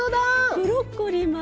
ブロッコリーもあるし。